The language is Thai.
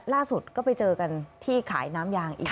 ล่าสุดก็ไปเจอกันที่ขายน้ำยางอีก